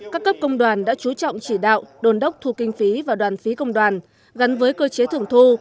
các cấp công đoàn đã chú trọng chỉ đạo đồn đốc thu kinh phí và đoàn phí công đoàn gắn với cơ chế thưởng thu